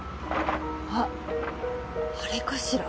あっあれかしら？